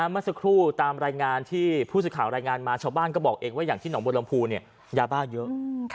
เมื่อสักครู่ตามผู้สิทธิ์ข่าวรายงานมาชาวบ้านก็บอกเองว่าอย่างที่หล่องบลรมภูนิยาบ้าเยอะ